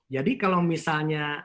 jadi kalau misalnya